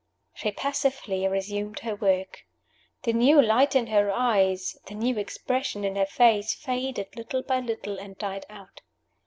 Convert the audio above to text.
She passively resumed her work. The new light in her eyes, the new expression in her face, faded little by little and died out.